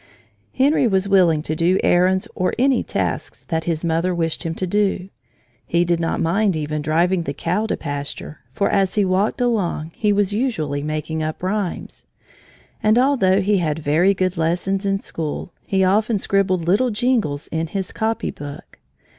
Henry was willing to do errands or any tasks that his mother wished him to do. He did not mind even driving the cow to pasture, for as he walked along, he was usually making up rhymes. And although he had very good lessons in school, he often scribbled little jingles in his copy book.